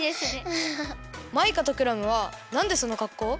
マイカとクラムはなんでそのかっこう？